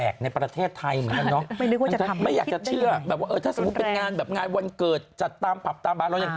แบบงานวันเกิดจัดตามผับตามบ้าน